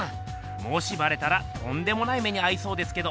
もしバレたらとんでもない目にあいそうですけど。